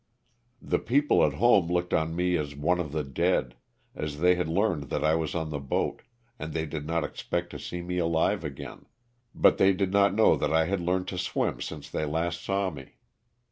The people at home looked on me as one of the dead, as they had learned that I was on the boat and they did not expect to see me alive again, but they did not know that I had learned to swim since they last saw me.